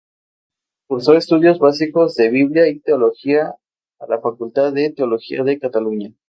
Cursó estudios básicos de Biblia y teología a la Facultad de Teología de Cataluña.